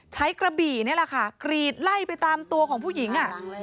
กระบี่นี่แหละค่ะกรีดไล่ไปตามตัวของผู้หญิง